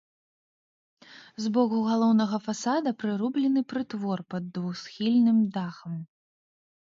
З боку галоўнага фасада прырублены прытвор пад двухсхільным дахам.